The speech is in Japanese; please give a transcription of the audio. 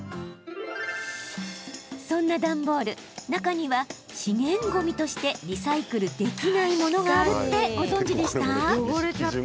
そんな段ボール中には、資源ごみとしてリサイクルできないものがあるってご存じでした？